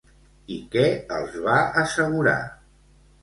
I què els va assegurar?